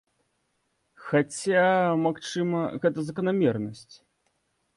Хаця, магчыма, гэта заканамернасць.